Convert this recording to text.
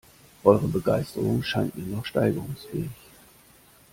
Eure Begeisterung scheint mir noch steigerungsfähig.